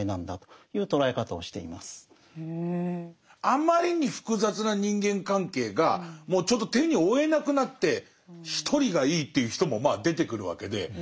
あまりに複雑な人間関係がもうちょっと手に負えなくなって一人がいいっていう人もまあ出てくるわけで。